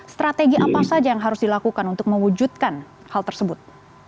strategi apa saja yang harus dilakukan untuk mewujudkan hal tersebut